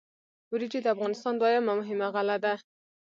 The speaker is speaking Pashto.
وریجې د افغانستان دویمه مهمه غله ده.